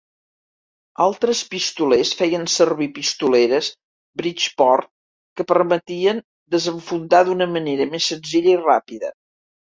Altres pistolers feien servir pistoleres Bridgeport, que permetien desenfundar d'una manera més senzilla i ràpida.